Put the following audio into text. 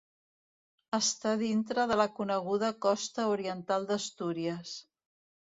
Està dintre de la coneguda Costa oriental d'Astúries.